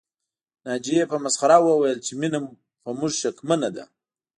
ناجيې په مسخره وويل چې مينه په موږ شکمنه ده